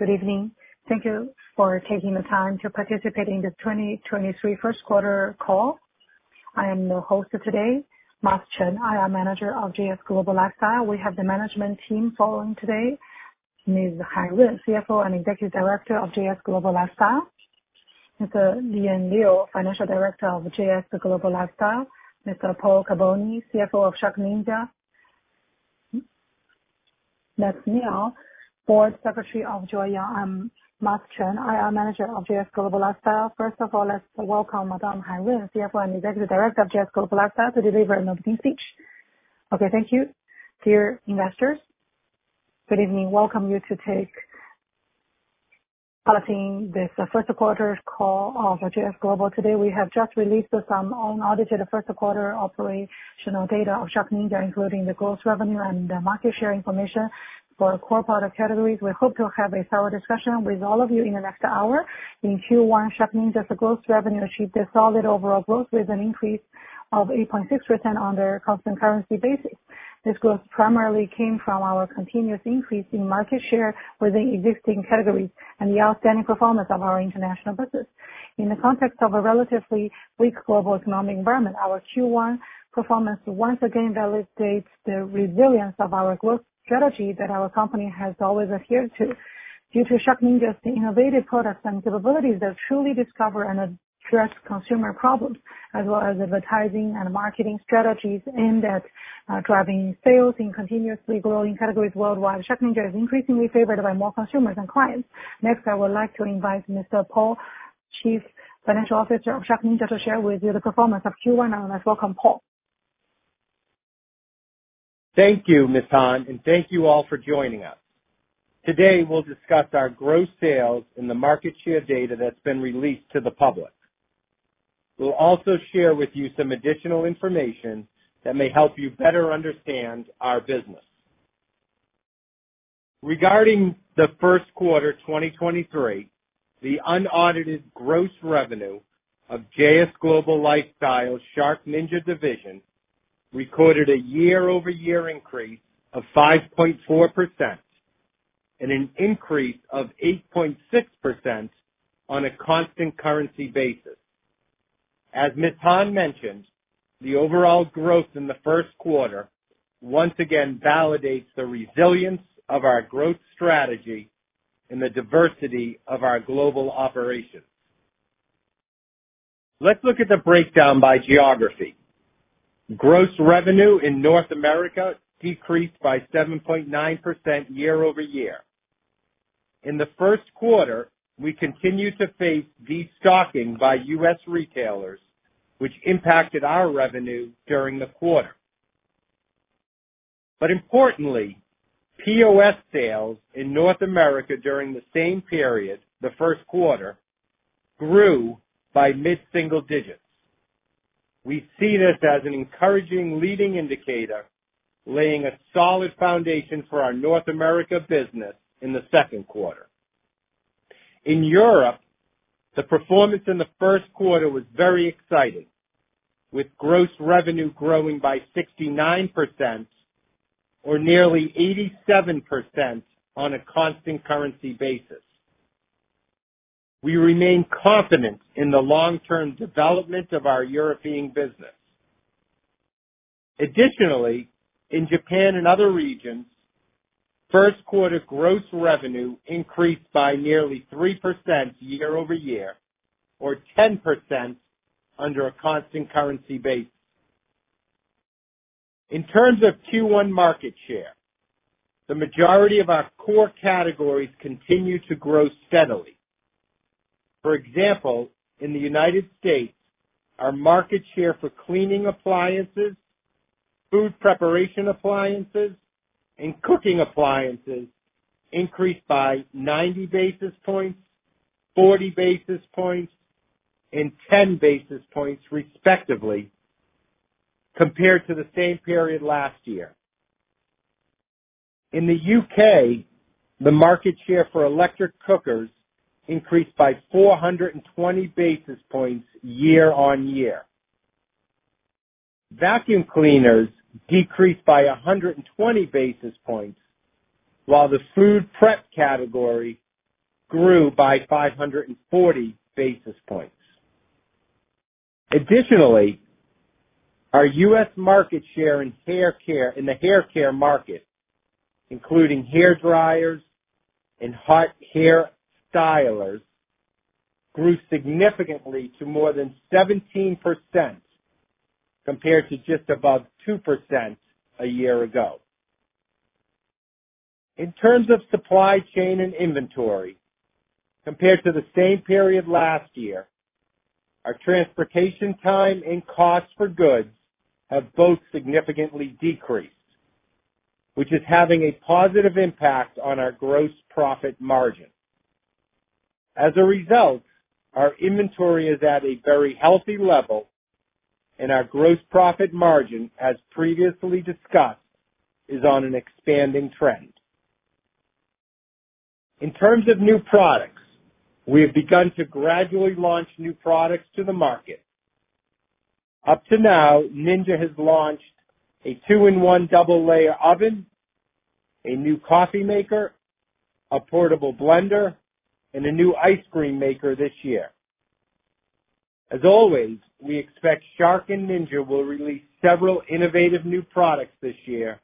Good evening. Thank you for taking the time to participate in the 2023 first quarter call. I am your host today, Mark Chen, IR Manager of JS Global Lifestyle. We have the management team following today. Ms. Han Yun, CFO and Executive Director of JS Global Lifestyle. Mr. Lian Liu, Financial Director of JS Global Lifestyle. Mr. Paul Carbone, CFO of SharkNinja. Matt Miao, Board Secretary of Joyoung. I'm Mark Chen, IR Manager of JS Global Lifestyle. First of all, let's welcome Madame Han Yun, CFO and Executive Director of JS Global Lifestyle to deliver an opening speech. Okay, thank you. Dear investors, good evening. Welcome you to take part in this first quarter call of JS Global. Today, we have just released some unaudited first quarter operational data of SharkNinja, including the gross revenue and the market share information for core product categories. We hope to have a thorough discussion with all of you in the next hour. In Q1, SharkNinja's gross revenue achieved a solid overall growth with an increase of 8.6% on their constant currency basis. This growth primarily came from our continuous increase in market share within existing categories and the outstanding performance of our international business. In the context of a relatively weak global economic environment, our Q1 performance once again validates the resilience of our growth strategy that our company has always adhered to. Due to SharkNinja's innovative products and capabilities that truly discover and address consumer problems, as well as advertising and marketing strategies aimed at driving sales in continuously growing categories worldwide, SharkNinja is increasingly favored by more consumers and clients. Next, I would like to invite Mr. Paul, Chief Financial Officer of SharkNinja, to share with you the performance of Q1. Let's welcome Paul. Thank you, Ms. Han Yun. Thank you all for joining us. Today, we'll discuss our gross sales and the market share data that's been released to the public. We'll also share with you some additional information that may help you better understand our business. Regarding the first quarter, 2023, the unaudited gross revenue of JS Global Lifestyle's SharkNinja division recorded a year-over-year increase of 5.4%, and an increase of 8.6% on a constant currency basis. As Ms. Han Yun mentioned, the overall growth in the first quarter once again validates the resilience of our growth strategy and the diversity of our global operations. Let's look at the breakdown by geography. Gross revenue in North America decreased by 7.9% year-over-year. In the first quarter, we continued to face destocking by U.S. retailers, which impacted our revenue during the quarter. Importantly, POS sales in North America during the same period, the first quarter, grew by mid-single digits. We see this as an encouraging leading indicator, laying a solid foundation for our North America business in the second quarter. In Europe, the performance in the first quarter was very exciting. With gross revenue growing by 69% or nearly 87% on a constant currency basis. We remain confident in the long-term development of our European business. Additionally, in Japan and other regions, first quarter gross revenue increased by nearly 3% year-over-year or 10% under a constant currency base. In terms of Q1 market share, the majority of our core categories continue to grow steadily. For example, in the U.S., our market share for cleaning appliances, food preparation appliances, and cooking appliances increased by 90 basis points, 40 basis points, and 10 basis points respectively, compared to the same period last year. In the U.K., the market share for electric cookers increased by 420 basis points year-on-year. Vacuum cleaners decreased by 120 basis points, while the food prep category grew by 540 basis points. Additionally, our U.S. market share in the hair care market, including hair dryers and hot hair stylers, grew significantly to more than 17% compared to just above 2% a year ago. In terms of supply chain and inventory, compared to the same period last year, our transportation time and cost for goods have both significantly decreased, which is having a positive impact on our gross profit margin. As a result, our inventory is at a very healthy level and our gross profit margin, as previously discussed, is on an expanding trend. In terms of new products, we have begun to gradually launch new products to the market. Up to now, Ninja has launched a two-in-one double layer oven, a new coffee maker, a portable blender, and a new ice cream maker this year. As always, we expect Shark and Ninja will release several innovative new products this year,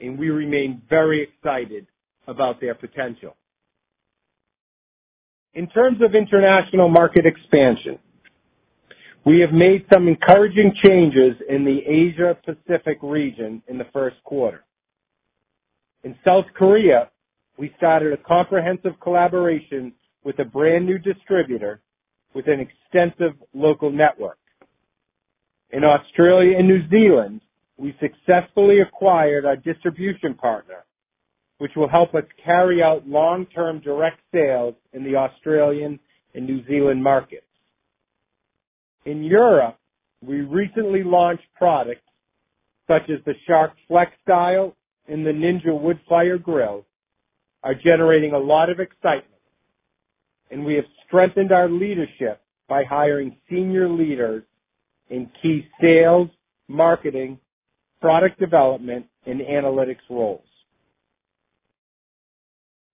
and we remain very excited about their potential. In terms of international market expansion, we have made some encouraging changes in the Asia Pacific region in the first quarter. In South Korea, we started a comprehensive collaboration with a brand new distributor with an extensive local network. In Australia and New Zealand, we successfully acquired our distribution partner, which will help us carry out long-term direct sales in the Australian and New Zealand markets. In Europe, we recently launched products such as the Shark FlexStyle and the Ninja Woodfire Grill, are generating a lot of excitement, and we have strengthened our leadership by hiring senior leaders in key sales, marketing, product development, and analytics roles.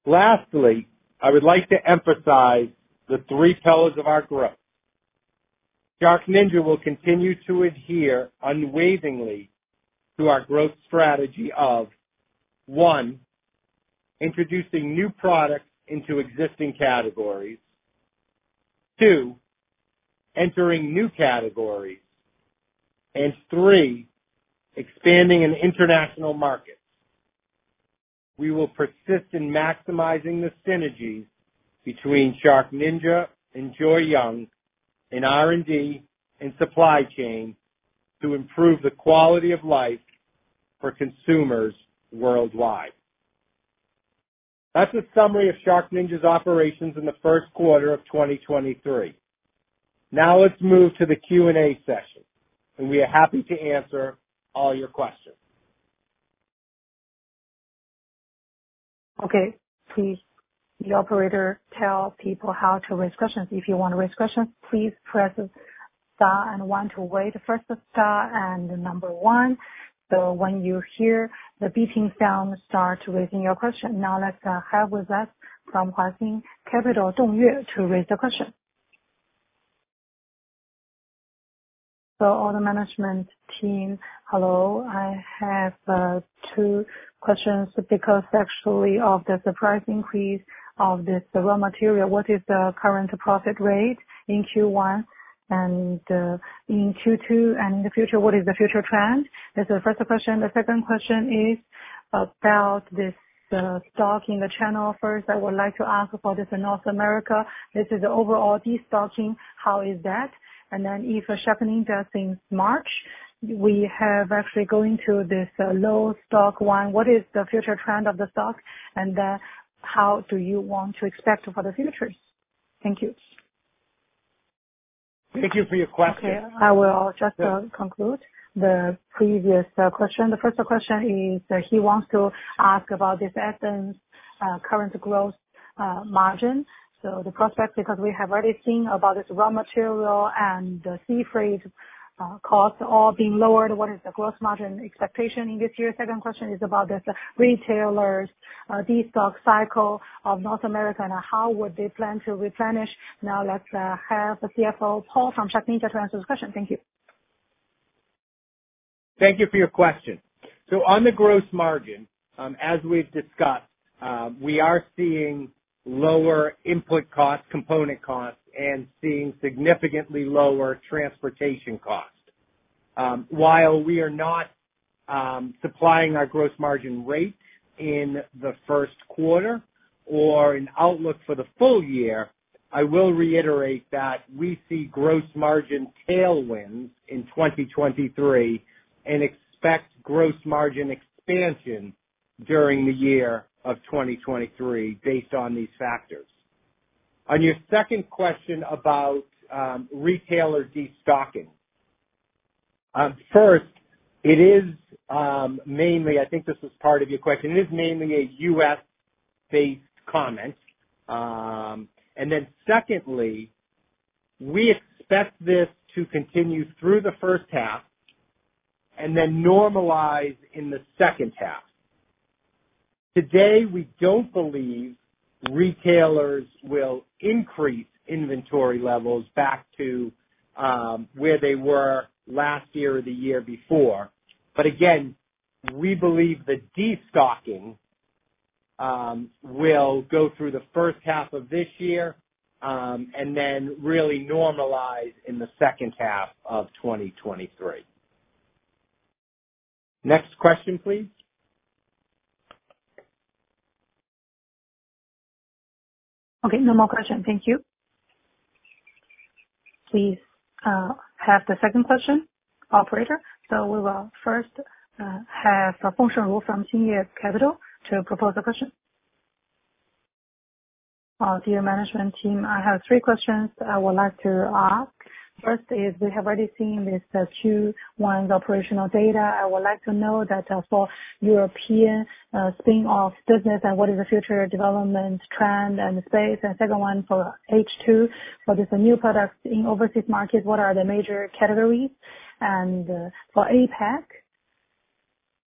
Lastly, I would like to emphasize the three pillars of our growth. SharkNinja will continue to adhere unwaveringly to our growth strategy of, one, introducing new products into existing categories. Two, entering new categories. Three, expanding in international markets. We will persist in maximizing the synergies between SharkNinja and Joyoung in R&D and supply chain to improve the quality of life for consumers worldwide. That's a summary of SharkNinja's operations in the first quarter of 2023. Let's move to the Q&A session, and we are happy to answer all your questions. Okay. Please, the operator, tell people how to raise questions. If you want to raise questions, please press star and one to raise. First Star and number one. When you hear the beeping sound, start raising your question. Now let's have with us from Huaxing Capital, Dong Yue to raise a question. All the management team, hello. I have two questions because actually of the surprise increase of this raw material. What is the current profit rate in Q1 and in Q2 and in the future, what is the future trend? That's the first question. The second question is about this stock in the channel. First, I would like to ask about this in North America. This is overall destocking. How is that? If SharkNinja, since March, we have actually going through this low stock one. What is the future trend of the stock? How do you want to expect for the future? Thank you. Thank you for your question. I will just conclude the previous question. The first question is he wants to ask about this essence current growth margin. The prospect, because we have already seen about this raw material and the sea freight costs all being lowered, what is the gross margin expectation in this year? Second question is about this retailers' destock cycle of North America and how would they plan to replenish. Let's have the CFO Paul from SharkNinja to answer this question. Thank you. Thank you for your question. On the gross margin, as we've discussed, we are seeing lower input costs, component costs, and seeing significantly lower transportation costs. While we are not supplying our gross margin rate in the first quarter or an outlook for the full year, I will reiterate that we see gross margin tailwind in 2023 and expect gross margin expansion during the year of 2023 based on these factors. On your second question about retailer destocking. First, it is mainly I think this is part of your question. It is mainly a U.S.-based comment. Secondly, we expect this to continue through the first half and then normalize in the second half. Today, we don't believe retailers will increase inventory levels back to where they were last year or the year before. Again, we believe the destocking will go through the first half of this year, and then really normalize in the second half of 2023. Next question, please. Okay. No more question. Thank you. Please have the second question, operator. We will first have Feng Xianru from Xingye Securities to propose a question. Dear management team, I have three questions I would like to ask. First is we have already seen this Q1 operational data. I would like to know that for European spin-off business and what is the future development trend and space. Second one for H2, for this new product in overseas market, what are the major categories?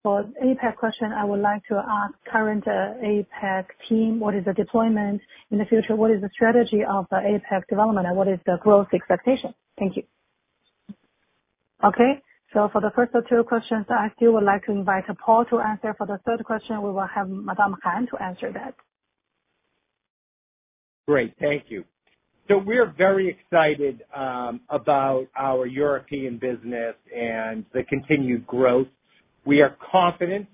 For APAC question, I would like to ask current APAC team what is the deployment in the future? What is the strategy of the APAC development and what is the growth expectation? Thank you. Okay. For the first of two questions, I still would like to invite Paul to answer. For the third question, we will have Ms. Han Yun to answer that. Great. Thank you. We're very excited about our European business and the continued growth. We are confident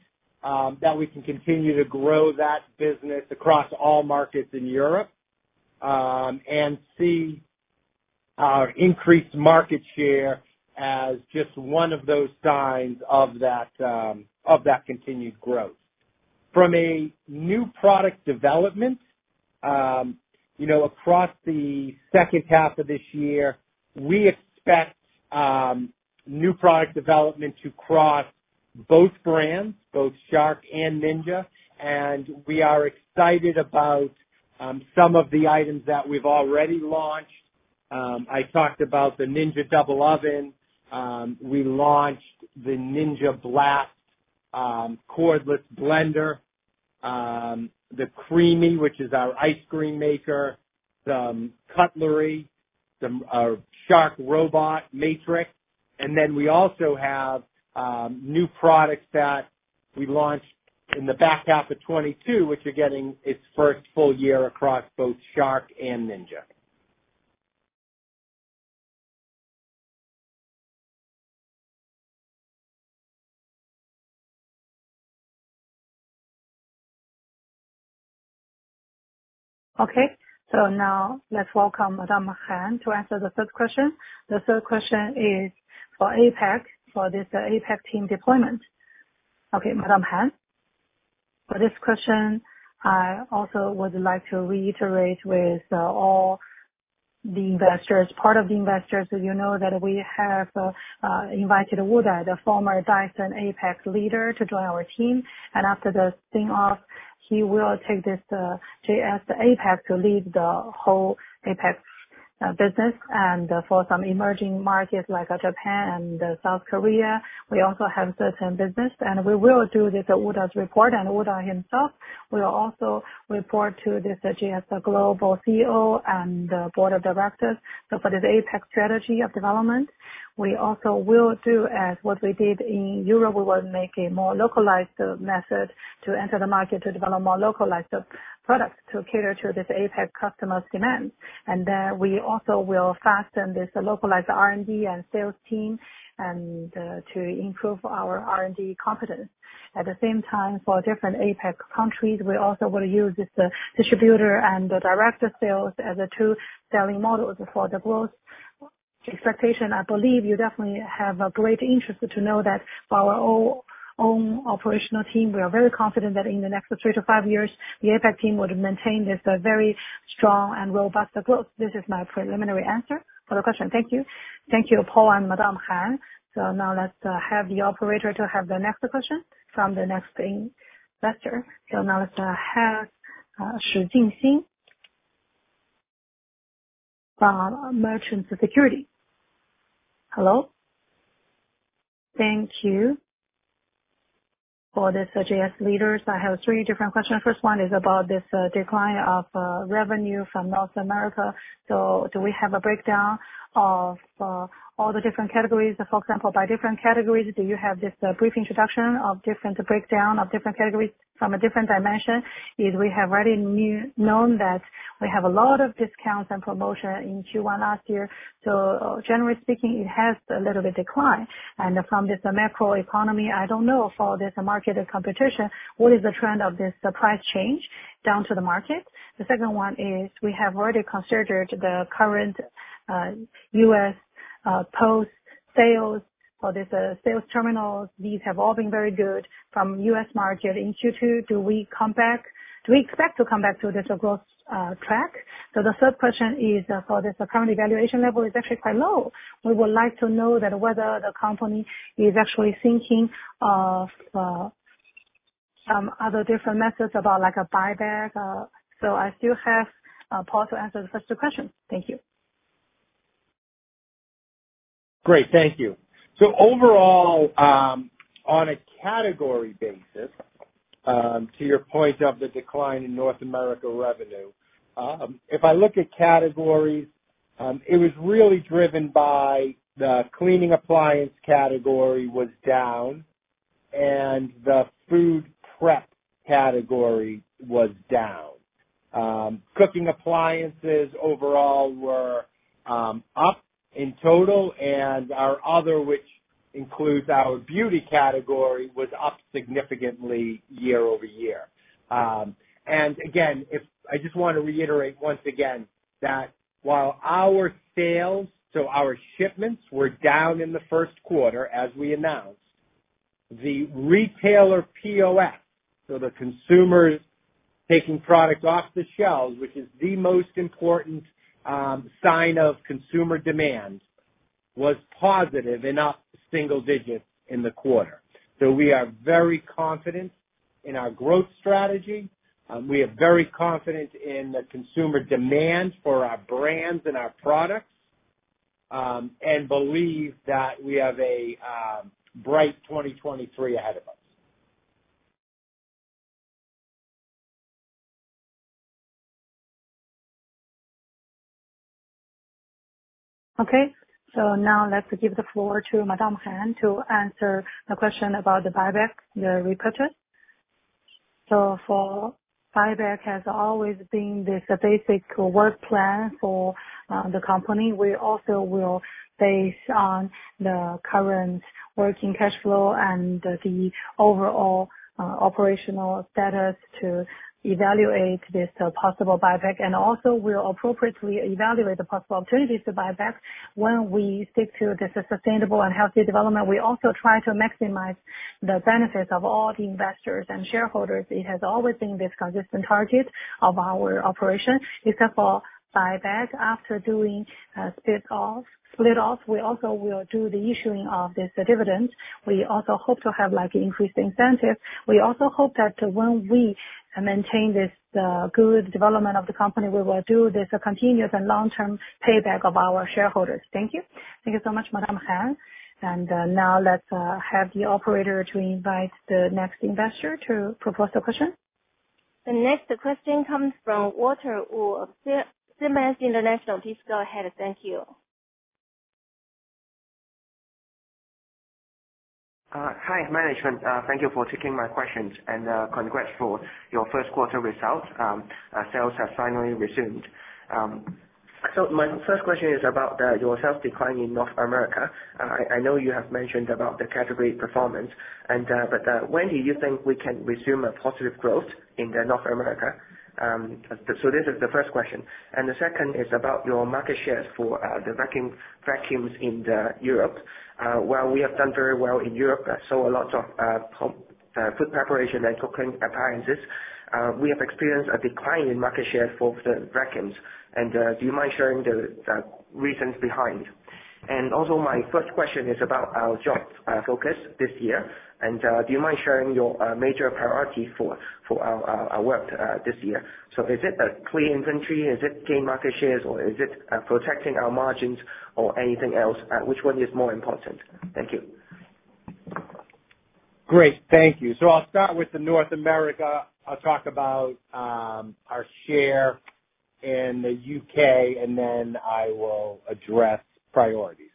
that we can continue to grow that business across all markets in Europe and see our increased market share as just one of those signs of that of that continued growth. From a new product development, you know, across the second half of this year, we expect new product development to cross both brands, both Shark and Ninja. We are excited about some of the items that we've already launched. I talked about the Ninja Double Oven. We launched the Ninja Blast cordless blender, the Ninja CREAMi, which is our ice cream maker, some cutlery, some Our Shark Matrix Robot Vacuum. We also have new products that we launched in the back half of 2022, which are getting its first full year across both Shark and Ninja. Okay. Now let's welcome Madame Han to answer the third question. The third question is for APAC, for this APAC team deployment. Okay, Madame Han. For this question, I also would like to reiterate with all the investors. Part of the investors, as you know, that we have invited Udaya, the former Dyson APAC leader, to join our team. After the spin-off, he will take this JS APAC to lead the whole APAC business. For some emerging markets like Japan and South Korea, we also have certain business, and we will do this Udaya's report. Udaya himself will also report to this JS Global CEO and the Board of Directors. For this APAC strategy of development, we also will do as what we did in Europe. We will make a more localized method to enter the market to develop more localized products to cater to this APAC customer's demand. We also will fasten this localized R&D and sales team to improve our R&D competence. At the same time, for different APAC countries, we also will use this distributor and the director sales as the two selling models for the growth expectation. I believe you definitely have a great interest to know that our own operational team, we are very confident that in the next three to five years, the APAC team would maintain this very strong and robust growth. This is my preliminary answer for the question. Thank you. Thank you, Paul and Madame Han. Let's have the operator to have the next question from the next investor. Let's have Shi Jingxin from China Merchants Securities. Hello. Thank you. For this JS leaders, I have three different questions. First one is about this decline of revenue from North America. Do we have a breakdown of all the different categories? For example, by different categories, do you have this brief introduction of different breakdown of different categories from a different dimension? Is we have already known that we have a lot of discounts and promotion in Q1 last year, so generally speaking, it has a little bit decline. From this macro economy, I don't know for this market competition, what is the trend of this price change down to the market? The second one is we have already considered the current US post-sales for this sales terminals. These have all been very good from US market in Q2. Do we expect to come back to this growth track? The third question is for this current valuation level is actually quite low. We would like to know that whether the company is actually thinking of some other different methods about like a buyback. I still have Paul to answer the first two questions. Thank you. Great. Thank you. Overall, on a category basis, to your point of the decline in North America revenue, if I look at categories, it was really driven by the cleaning appliance category was down and the food prep category was down. Cooking appliances overall were up in total, and our other, which includes our beauty category, was up significantly year-over-year. Again, I just want to reiterate once again that while our sales to our shipments were down in the first quarter, as we announced, the retailer POS, so the consumers taking product off the shelves, which is the most important sign of consumer demand, was positive in up single digits in the quarter. We are very confident in our growth strategy. We are very confident in the consumer demand for our brands and our products. We believe that we have a bright 2023 ahead of us. Now let's give the floor to Madame Han to answer the question about the buyback, the repurchase. For buyback has always been this basic work plan for the company. We also will base on the current working cash flow and the overall operational status to evaluate this possible buyback. Also we'll appropriately evaluate the possible alternatives to buyback when we stick to this sustainable and healthy development. We also try to maximize the benefits of all the investors and shareholders. It has always been this consistent target of our operation. Except for buyback, after doing a split off, we also will do the issuing of this dividend. We also hope to have like increased incentives. We also hope that when we maintain this good development of the company, we will do this continuous and long-term payback of our shareholders. Thank you. Thank you so much, Ms.Han Yun. Now let's have the operator to invite the next investor to propose the question. The next question comes from Walter Woo of CMB International. Please go ahead. Thank you. Hi, management. Thank you for taking my questions and congrats for your first quarter results. Sales have finally resumed. My first question is about your sales decline in North America. I know you have mentioned about the category performance and, but, when do you think we can resume a positive growth in North America? This is the first question. The second is about your market shares for the vacuums in Europe. While we have done very well in Europe, I saw a lot of pump, food preparation and cooking appliances. We have experienced a decline in market share for the vacuums. Do you mind sharing the reasons behind? Also my first question is about our geo- focus this year. Do you mind sharing your major priority for our work this year? Is it a clear inventory? Is it gain market shares? Is it protecting our margins or anything else? Which one is more important? Thank you. Great. Thank you. I'll start with the North America. I'll talk about our share in the U.K., and then I will address priorities.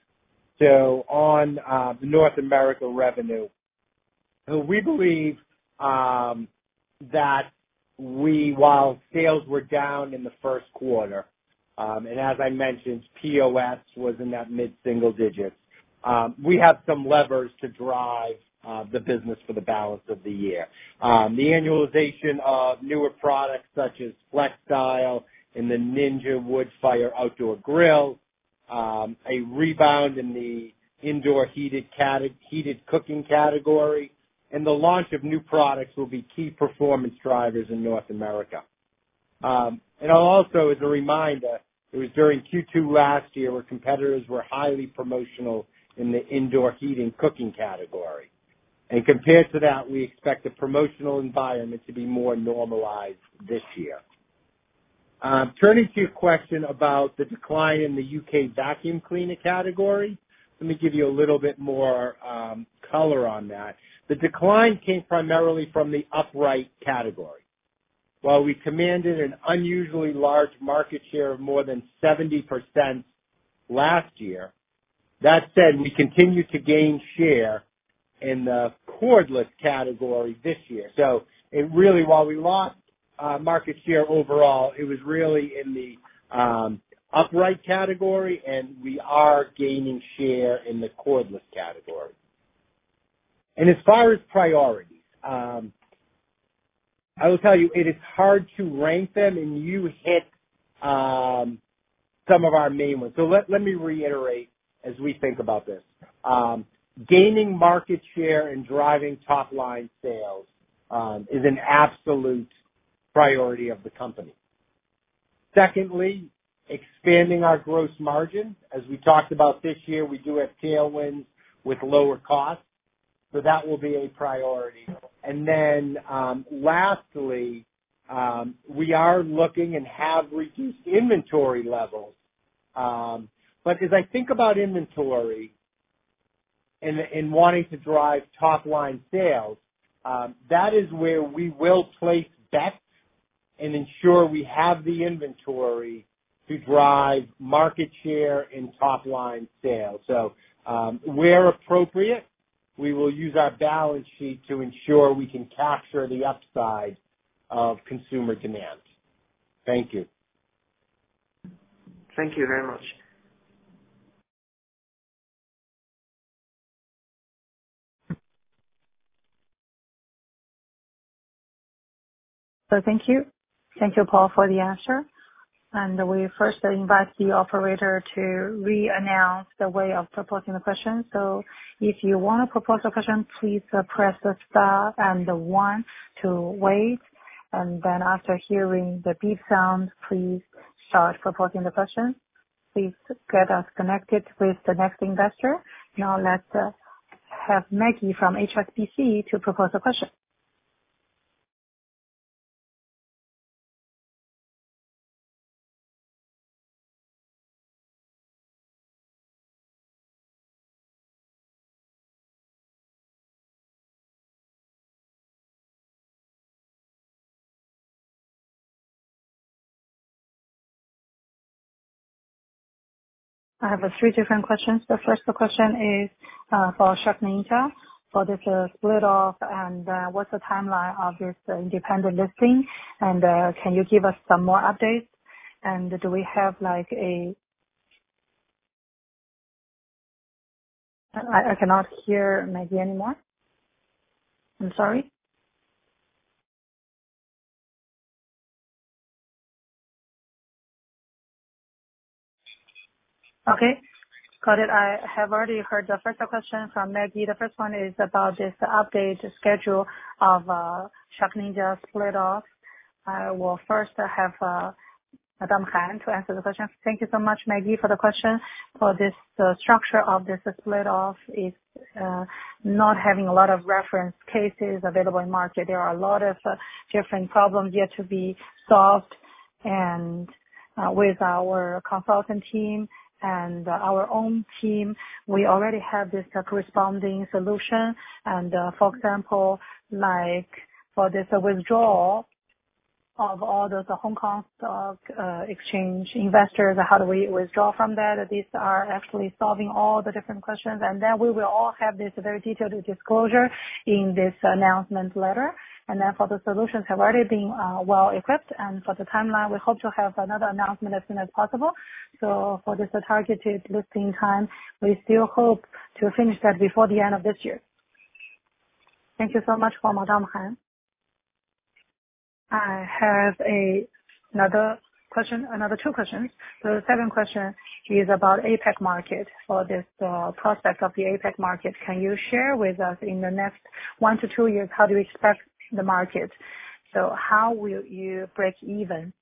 On the North America revenue. We believe that while sales were down in the first quarter, and as I mentioned, POS was in that mid-single digits, we have some levers to drive the business for the balance of the year. The annualization of newer products such as FlexStyle and the Ninja Woodfire Outdoor Grill, a rebound in the indoor heated cooking category, and the launch of new products will be key performance drivers in North America. Also as a reminder, it was during Q2 last year where competitors were highly promotional in the indoor heated cooking category. Compared to that, we expect the promotional environment to be more normalized this year. Turning to your question about the decline in the UK vacuum cleaner category, let me give you a little bit more color on that. The decline came primarily from the upright category. While we commanded an unusually large market share of more than 70% last year, that said, we continue to gain share in the cordless category this year. It really, while we lost market share overall, it was really in the upright category, and we are gaining share in the cordless category. As far as priorities, I will tell you it is hard to rank them, and you hit some of our main ones. Let me reiterate as we think about this. Gaining market share and driving top line sales is an absolute priority of the company. Secondly, expanding our gross margin. As we talked about this year, we do have tailwinds with lower costs, that will be a priority. Lastly, we are looking and have reduced inventory levels. As I think about inventory and wanting to drive top line sales, that is where we will place bets and ensure we have the inventory to drive market share and top line sales. Where appropriate, we will use our balance sheet to ensure we can capture the upside of consumer demand. Thank you. Thank you very much. Thank you. Thank you, Paul, for the answer. We first invite the operator to re-announce the way of proposing the question. If you wanna propose a question, please press star and one to wait, and then after hearing the beep sound, please start proposing the question. Please get us connected with the next investor. Now let's have Maggie from HSBC to propose a question. I have three different questions. The first question is for SharkNinja for this split-off, and what's the timeline of this independent listing, and can you give us some more updates? Do we have like a... I cannot hear Maggie anymore. I'm sorry. Okay. Got it. I have already heard the first question from Maggie. The first one is about this update schedule of SharkNinja split-off. I will first have Madame Han to answer the question. Thank you so much, Maggie, for the question. For this, the structure of this split-off is not having a lot of reference cases available in market. There are a lot of different problems yet to be solved. With our consultant team and our own team, we already have this corresponding solution. For example, like for this withdrawal of all the Hong Kong Stock Exchange investors, how do we withdraw from that? These are actually solving all the different questions. We will all have this very detailed disclosure in this announcement letter. For the solutions have already been well equipped. For the timeline, we hope to have another announcement as soon as possible. For this targeted listing time, we still hope to finish that before the end of this year. Thank you so much for Madame Han. I have a another question, another two questions. The second question is about APAC market. For this process of the APAC market, can you share with us in the next one to two years, how do you expect the market? How will you break even?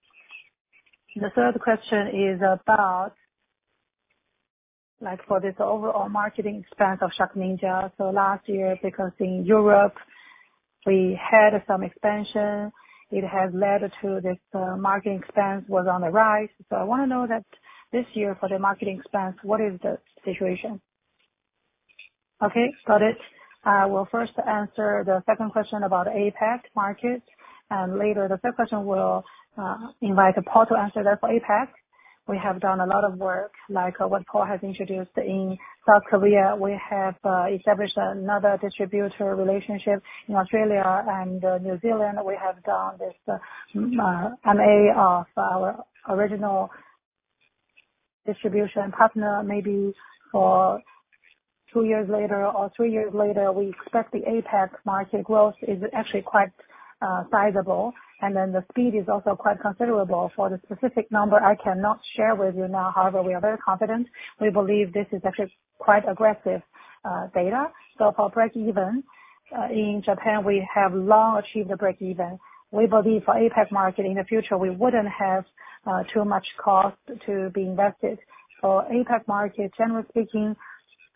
The third question is about, like, for this overall marketing expense of SharkNinja. Last year, because in Europe we had some expansion, it has led to this marketing expense was on the rise. I wanna know that this year, for the marketing expense, what is the situation? Okay. Got it. I will first answer the second question about APAC market. Later, the third question will invite Paul to answer that. For APAC, we have done a lot of work like what Paul has introduced. In South Korea, we have established another distributor relationship. In Australia and New Zealand, we have done this M&A of our original distribution partner maybe for two years later or three years later. We expect the APAC market growth is actually quite sizable, and then the speed is also quite considerable. For the specific number, I cannot share with you now. However, we are very confident. We believe this is actually quite aggressive data. For break-even, in Japan, we have long achieved the break-even. We believe for APAC market in the future we wouldn't have too much cost to be invested. For APAC market, generally speaking,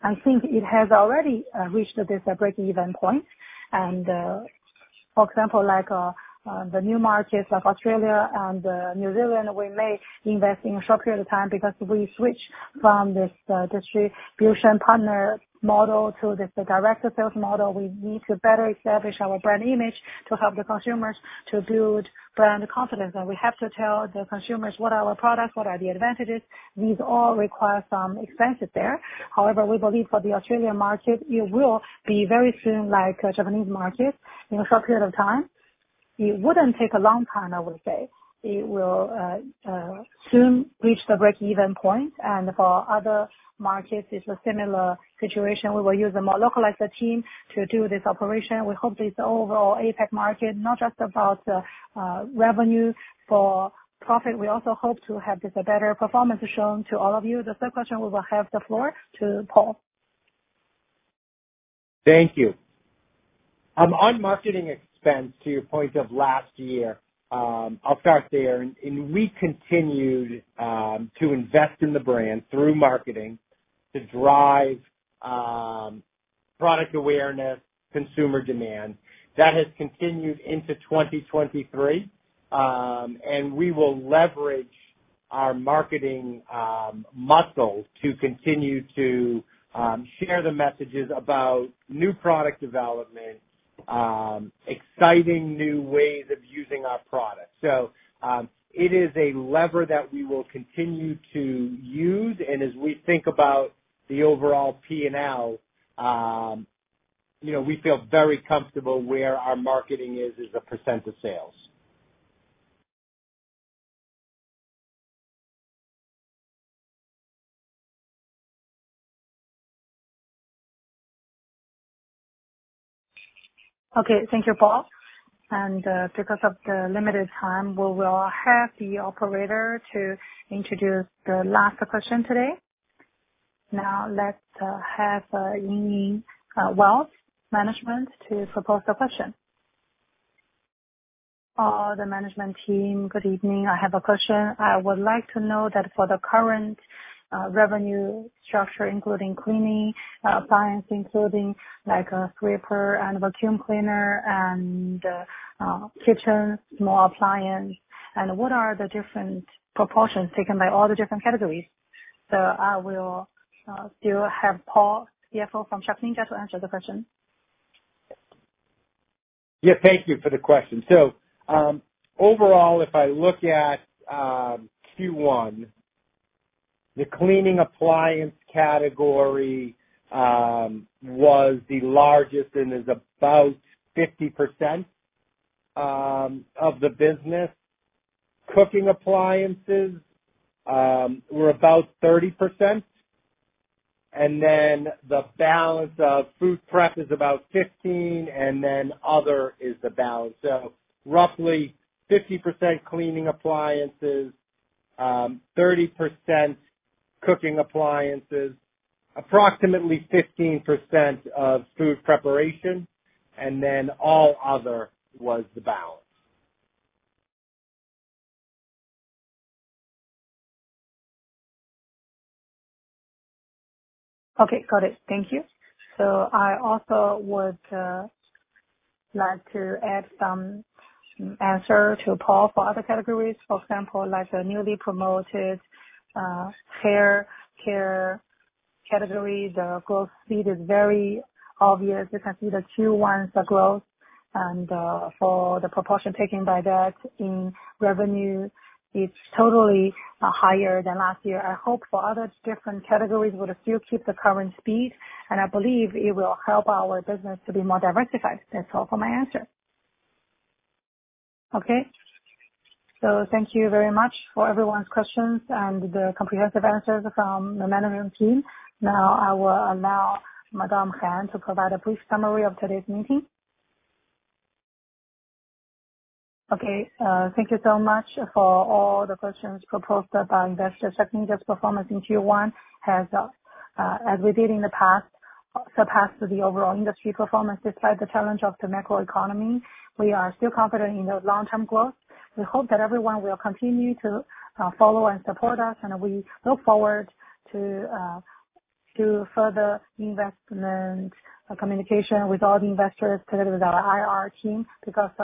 I think it has already reached this break-even point. For example, like the new markets of Australia and New Zealand, we may invest in a short period of time because we switch from this distribution partner model to this direct sales model. We need to better establish our brand image to help the consumers to build brand confidence. We have to tell the consumers what are our products, what are the advantages. These all require some expenses there. However, we believe for the Australian market, it will be very soon, like Japanese market, in a short period of time. It wouldn't take a long time, I would say. It will soon reach the break-even point. For other markets, it's a similar situation. We will use a more localized team to do this operation. We hope this overall APAC market, not just about revenue for profit, we also hope to have this a better performance shown to all of you. The third question, we will have the floor to Paul. Thank you. On marketing expense to your point of last year, I'll start there. We continued to invest in the brand through marketing to drive product awareness, consumer demand. That has continued into 2023. We will leverage our marketing muscle to continue to share the messages about new product development, exciting new ways of using our product. It is a lever that we will continue to use. As we think about the overall P&L, you know, we feel very comfortable where our marketing is, as a % of sales. Okay. Thank you, Paul. Because of the limited time, we will have the operator to introduce the last question today. Now let's have Yinhe Wealth Management to propose the question. The management team, good evening. I have a question. I would like to know that for the current revenue structure, including cleaning appliance, including like a scraper and vacuum cleaner, kitchen small appliance, what are the different proportions taken by all the different categories? I will still have Paul, CFO from SharkNinja, to answer the question. Yeah. Thank you for the question. Overall, if I look at Q1, the cleaning appliance category was the largest and is about 50% of the business. Cooking appliances were about 30%, and then the balance of food prep is about 15, and then other is the balance. Roughly 50% cleaning appliances, 30% cooking appliances, approximately 15% of food preparation, and then all other was the balance. Okay. Got it. Thank you. I also would like to add some answer to Paul for other categories. For example, like the newly promoted hair care category, the growth speed is very obvious. You can see the Q1's growth, and for the proportion taken by that in revenue, it's totally higher than last year. I hope for other different categories will still keep the current speed, and I believe it will help our business to be more diversified. That's all for my answer. Okay. Thank you very much for everyone's questions and the comprehensive answers from the management team. Now I will allow Madame Han to provide a brief summary of today's meeting. Okay. Thank you so much for all the questions proposed by investors. SharkNinja's performance in Q1 has, as we did in the past, surpassed the overall industry performance. Despite the challenge of the macroeconomy, we are still confident in the long-term growth. We hope that everyone will continue to follow and support us. We look forward to further investment communication with all the investors together with our IR team.